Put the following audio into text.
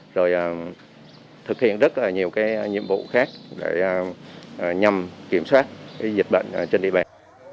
rồi thực hiện rất là nhiều nhiệm vụ khác để nhằm kiểm soát dịch bệnh trên địa bàn